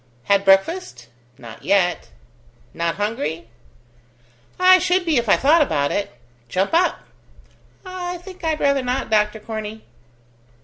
"Had breakfast?" "Not yet." "Not hungry?" "I should be if I thought about it." "Jump up." "I think I'd rather not, Doctor Corney."